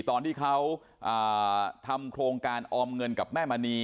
ตอนที่เขาทำโครงการออมเงินกับแม่มณี